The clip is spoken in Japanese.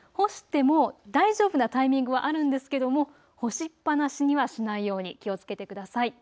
あしたしゅと犬くん干しても大丈夫なタイミングはあるんですが干しっぱなしにはしないように気をつけてください。